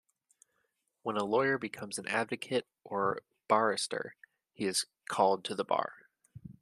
When a lawyer becomes an advocate or barrister, he is "called to the bar".